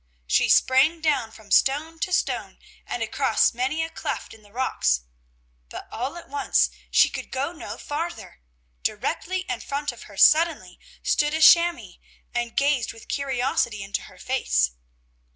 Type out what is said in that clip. She sprang down from stone to stone and across many a cleft in the rocks, but all at once she could go no farther directly in front of her suddenly stood a chamois and gazed with curiosity into her face.